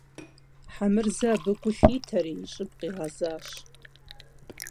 Хьэмырзэ абы гу лъитэри и щӏыб къигъэзащ.